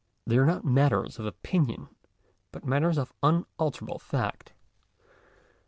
They are not matters of opinion, but matters of unalterable fact.